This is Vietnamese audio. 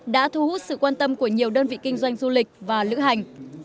đã thu hút sự quan tâm của nhiều đơn vị kinh doanh du lịch và lữ hành